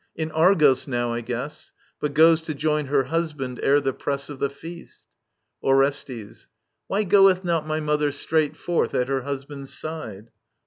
In Argos now, I guess ; But goes to join her husband, ere the press Of the feast Orestes. Why goeth not my mother straight Forth at her husband's side